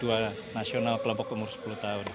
diingkat dua nasional kelompok umur sepuluh tahun